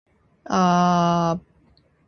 北海道襟裳岬